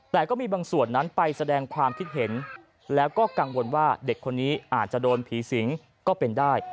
แต่ก็มีบางส่วนนั้นไปแสดงความคิดเห็นแล้วก็กังวลว่าเด็กคนนี้อาจจะโดนผีสิงก็เป็นได้